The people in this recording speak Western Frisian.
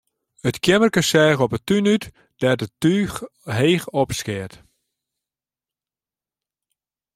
It keammerke seach op 'e tún út, dêr't it túch heech opskeat.